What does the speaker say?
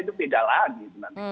itu beda lagi